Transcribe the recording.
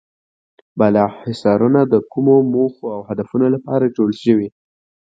بالا حصارونه د کومو موخو او هدفونو لپاره جوړ شوي.